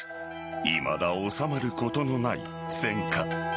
いまだ収まることのない戦火。